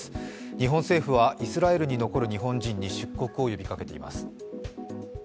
日本政府はイスラエルに残る日本人に出国を呼びかけています。